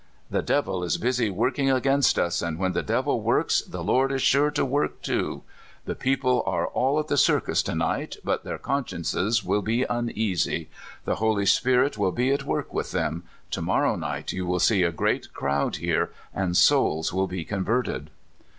"The devil is busy working against us, and when the devil v/orks the Lord is sure to work too. The people are all at the circus to night, but their con sciences will be uneasy. The Holy Spirit will be at work with them. To morrow night you will see a great crowd here, and souls will be converted."